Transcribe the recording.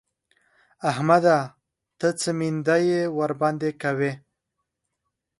احمده! ته څه مينده يي ورباندې کوې؟!